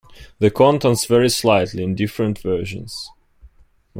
The contents vary slightly in different versions.